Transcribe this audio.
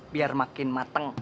biar makin mateng